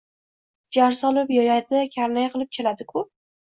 Jar solib yoyadi, karnay qilib chaladi-ku!